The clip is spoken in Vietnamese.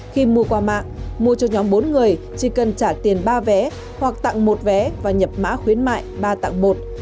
khi mua qua mạng mua cho nhóm bốn người chỉ cần trả tiền ba vé hoặc tặng một vé và nhập mã khuyến mại ba tặng một